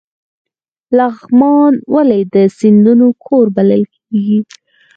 لغمان ولې د سیندونو کور بلل کیږي؟